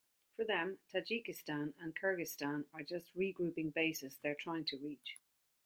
For them, Tajikistan and Kyrgyzstan are just regrouping bases they're trying to reach.